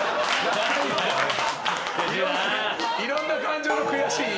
いろんな感情の悔しい。